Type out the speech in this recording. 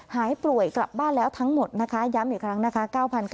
หายป่วยกลับบ้านแล้วทั้งหมดนะคะย้ำอีกครั้งนะคะ